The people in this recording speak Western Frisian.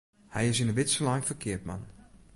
Hy is yn 'e widze lein foar keapman.